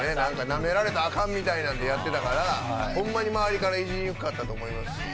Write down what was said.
なめられたらあかんみたいのでやってたからほんまに周りからいじりにくかったと思います。